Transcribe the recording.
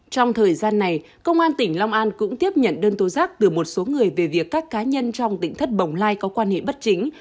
trong thời gian này công an tỉnh long an cũng tiếp nhận đơn tố giác từ một số người về việc các cá nhân trong tỉnh thất bồng lai có quan hệ bất chính